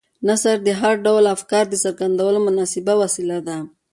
نثر د هر ډول افکارو د څرګندولو مناسبه وسیله ده.